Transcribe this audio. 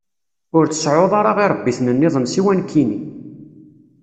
Ur tseɛɛuḍ ara iṛebbiten-nniḍen siwa nekkini.